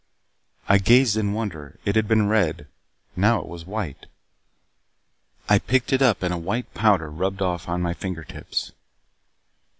I gazed in wonder. It had been red. Now it was white. I picked it up and a white powder rubbed off upon my fingertips.